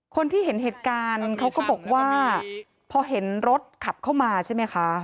คนที่เห็นเหตุการณ์เขาก็บอกว่าพอเห็นรถขับเข้ามาใช่ไหมคะ